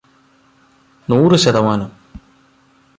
നൂറ് ശതമാനം